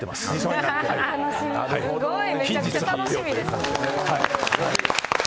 めちゃくちゃ楽しみです。